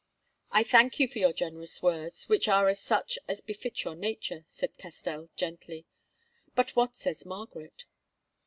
"I thank you for your generous words, which are such as befit your nature," said Castell gently; "but what says Margaret?"